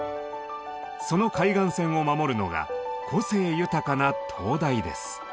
その海岸線を守るのが個性豊かな灯台です。